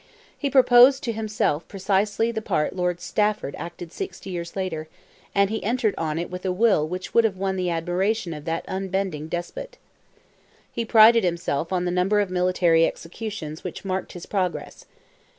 He proposed to himself precisely the part Lord Stafford acted sixty years later, and he entered on it with a will which would have won the admiration of that unbending despot. He prided himself on the number of military executions which marked his progress.